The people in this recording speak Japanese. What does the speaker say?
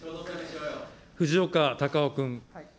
藤岡隆雄君。